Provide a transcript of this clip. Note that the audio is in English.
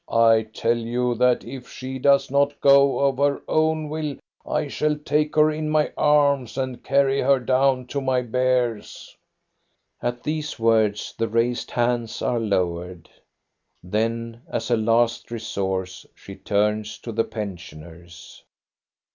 I tell you that if she does not go of her own will I shall take her in my anns and carry her down to my bears. " At these words the raised hands are lowered. Then, as a last resource, she turns to the pen sioners.